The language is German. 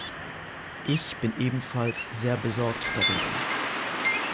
Ich bin ebenfalls sehr besorgt darüber.